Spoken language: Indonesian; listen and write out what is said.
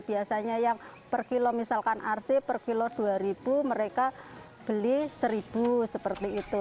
biasanya yang per kilo misalkan rc per kilo rp dua mereka beli rp satu seperti itu